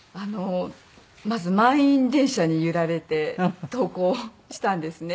まず満員電車に揺られて登校したんですね。